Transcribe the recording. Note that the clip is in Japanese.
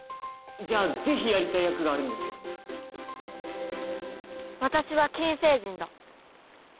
じゃあぜひやりたい役があるんですけど私は金星人だ